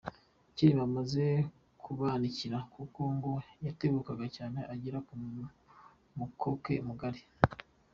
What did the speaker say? Cyilima amaze kubanikira kuko ngo yatebukaga cyane, agera ku mukoke mugari.